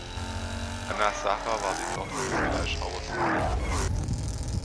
Anna Sacher war die Tochter des Fleischhauers Johann Fuchs.